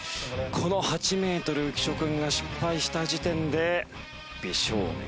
この８メートル浮所君が失敗した時点で美少年